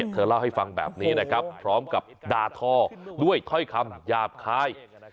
เธอเล่าให้ฟังแบบนี้นะครับพร้อมกับด่าทอด้วยถ้อยคำหยาบคาย